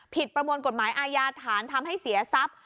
ประมวลกฎหมายอาญาฐานทำให้เสียทรัพย์